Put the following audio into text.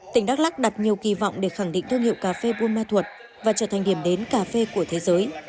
tỉnh đắk lắc đặt nhiều kỳ vọng để khẳng định thương hiệu cà phê burma thuật và trở thành điểm đến cà phê của thế giới